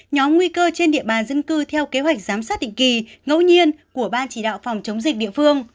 nhóm nguy cơ trên địa bàn dân cư theo kế hoạch giám sát định kỳ ngẫu nhiên của ban chỉ đạo phòng chống dịch địa phương